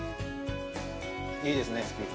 いいですねスピッツ。